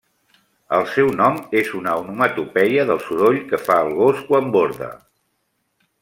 El seu nom és una onomatopeia del soroll que fa el gos quan borda.